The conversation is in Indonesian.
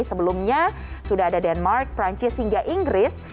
sebelumnya sudah ada denmark perancis hingga inggris